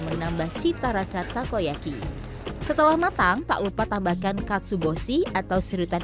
menambah cita rasa takoyaki setelah matang tak lupa tambahkan katsu bosi atau serutan